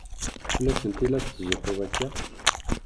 Fell-asent i la tetzuxxuḍ akka?